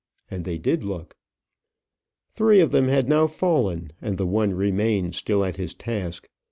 And they did look. Three of them had now fallen, and the one remained still at his task.